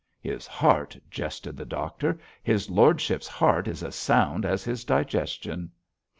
'His heart!' jested the doctor. 'His lordship's heart is as sound as his digestion.'